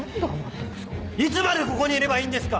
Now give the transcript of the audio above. いつまでここにいればいいんですか！